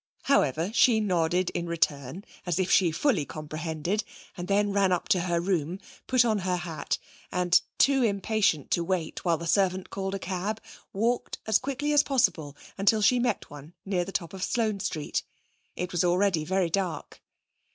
However, she nodded in return, as if she fully comprehended, and then ran up to her room, put on her hat, and, too impatient to wait while the servant called a cab, walked as quickly as possible until she met one near the top of Sloane Street. It was already very dark.